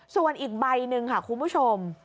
ส่วนอีกใบหนึ่งค่ะคุณผู้ชม